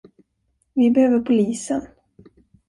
Vi behöver polisen.